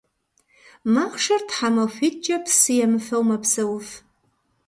Махъшэр тхьэмахуитIкIэ псы емыфэу мэпсэуф.